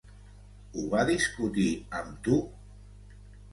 Ho va discutir amb tu?